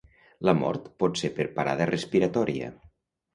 La mort pot ser per parada respiratòria.